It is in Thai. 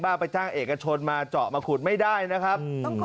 ไปจ้างเอกชนมาเจาะมาขุดไม่ได้นะครับ